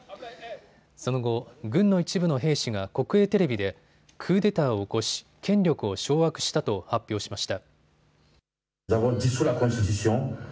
その後、軍の一部の兵士が国営テレビでクーデターを起こし権力を掌握したと発表しました。